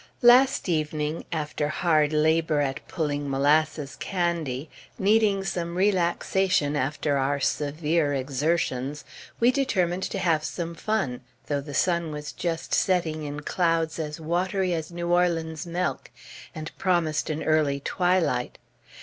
Last evening, after hard labor at pulling molasses candy, needing some relaxation after our severe exertions, we determined to have some fun, though the sun was just setting in clouds as watery as New Orleans milk, and promised an early twilight.